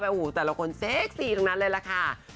โอ้โหแต่ละคนเซ็กซี่ตรงนั้นเลยล่ะค่ะ